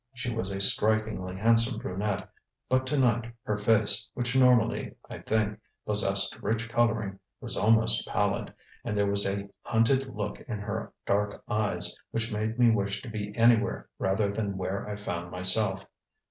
She was a strikingly handsome brunette, but to night her face, which normally, I think, possessed rich colouring, was almost pallid, and there was a hunted look in her dark eyes which made me wish to be anywhere rather than where I found myself.